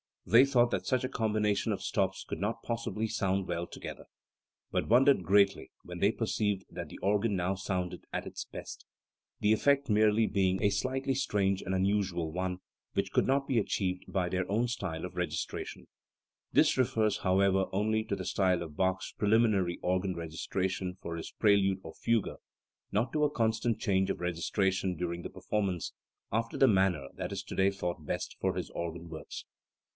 u They thought that such a combina tion of stops could not possibly sound well together, but wondered greatly when they perceived that the organ now sounded at its best, the effect merely being a slightly strange and unusual one, which could not be achieved by their own style of registration". This refers, however, only to the style of Bach's preliminary organ registration for his prelude or fugue, not to a constant change of registration during the performance, after the manner that is today thought best for his organ works.